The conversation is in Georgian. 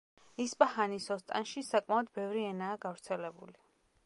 ისპაჰანის ოსტანში საკმაოდ ბევრი ენაა გავრცელებული.